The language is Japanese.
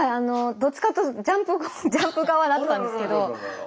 どっちかというと「ジャンプ」側だったんですけど。